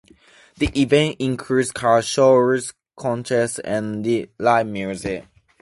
The event includes car shows, contests, and live music.